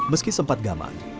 meski sempat gampang